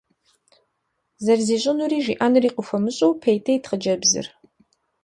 Зэрызищӏынури жиӏэнури къыхуэмыщӏэу, пӏейтейт хъыджэбзыр.